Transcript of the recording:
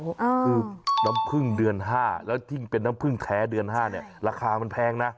คือน้ำพึ่งเดือน๕แล้วยิ่งเป็นน้ำพึ่งแท้เดือน๕เนี่ยราคามันแพงนะ